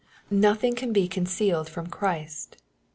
13.) Nothing can be concealed from Christ.